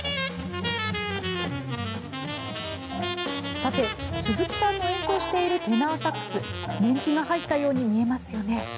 さて、鈴木さんの演奏しているテナーサックス年季が入ったように見えますよね。